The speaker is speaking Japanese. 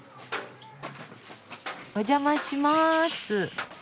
お邪魔します。